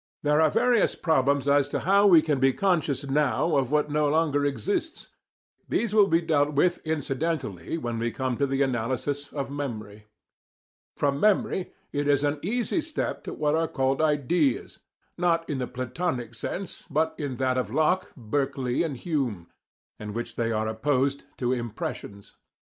There are various problems as to how we can be conscious now of what no longer exists. These will be dealt with incidentally when we come to the analysis of memory. From memory it is an easy step to what are called "ideas" not in the Platonic sense, but in that of Locke, Berkeley and Hume, in which they are opposed to "impressions."